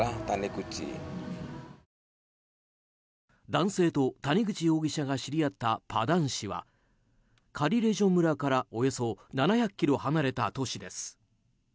男性と谷口容疑者が知り合ったパダン市はカリレジョ村からおよそ７００ｋｍ離れた都市です。